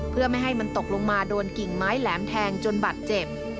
เพื่อไม่ให้มันตกลงมาโดนกิ่งไม้แหลมแทงจนบัตรเจ็บ